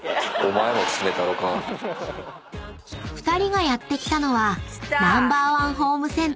［２人がやって来たのは］